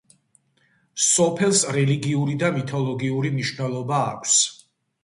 სოფელს რელიგიური და მითოლოგიური მნიშვნელობა აქვს.